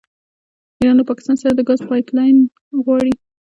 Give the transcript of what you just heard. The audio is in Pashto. ایران له پاکستان سره د ګاز پایپ لاین غواړي.